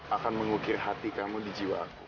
akan mengukir hati kamu di jiwa aku